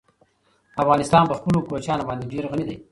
افغانستان په خپلو کوچیانو باندې ډېر غني دی.